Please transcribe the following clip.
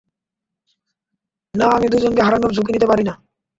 না, আমি দুজনকে হারানোর ঝুঁকে নিতে পারি না।